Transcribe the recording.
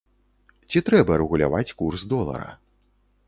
Ці трэба рэгуляваць курс долара?